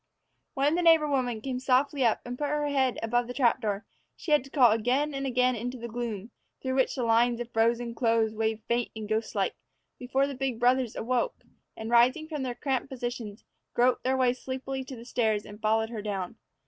WHEN the neighbor woman came softly up and put her head above the trap door, she had to call again and again into the gloom, through which the lines of frozen clothes waved faint and ghost like, before the big brothers awoke and, rising from their cramped positions, groped their way sleepily to the stairs and followed her down.